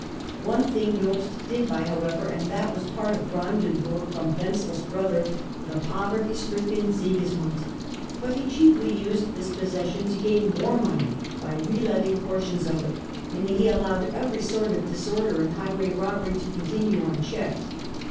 One thing Jobst did buy, however, and that was part of Brandenburg from Wenzel's brother, the poverty stricken Sigismund, but he chiefly used this possession to gain more money by reletting portions of it, and he allowed every sort of disorder and highway robbery to continue unchecked.